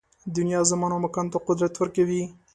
دنیا زمان او مکان ته قدر ورکوي